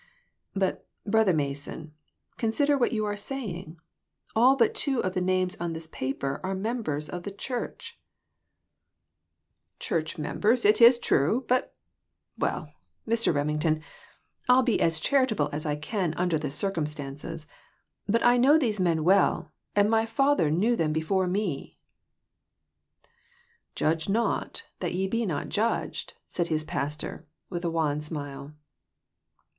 "But, Brother Mason, consider what you are saying; all but two of the names on this paper are members of the church !" 348 PRECIPITATION. "Church members, it is true, but well, Mr. Remington, I'll be as charitable as I can under the circumstances; but I know these men well, and my father knew them before me." "'Judge not that ye be not judged/" said his pastor, with a wan smile.